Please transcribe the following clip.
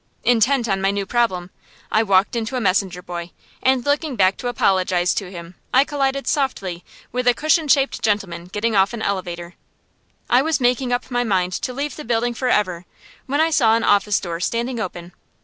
Intent on my new problem, I walked into a messenger boy; and looking back to apologize to him, I collided softly with a cushion shaped gentleman getting out of an elevator. I was making up my mind to leave the building forever, when I saw an office door standing open.